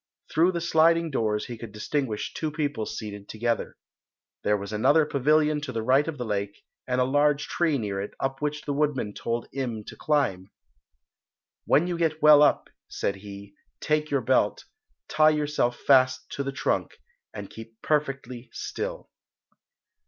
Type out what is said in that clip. Through the sliding doors he could distinguish two people seated together. There was another pavilion to the right of the lake and a large tree near it, up which the woodman told Im to climb. "When you get well up," said he, "take your belt, tie yourself fast to the trunk and keep perfectly still."